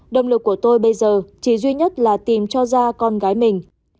động lực của tôi bây giờ chỉ duy nhất là tìm cho ra con gái mình